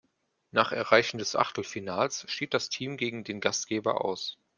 Nach Erreichen des Achtelfinals schied das Team gegen den Gastgeber aus.